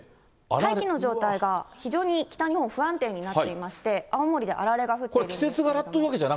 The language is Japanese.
大気の状態が非常に北日本、不安定になっていまして、青森であられが降ってるんですけれども。